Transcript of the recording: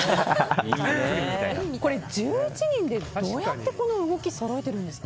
１１人でどうやってこの動きそろえてるんですか？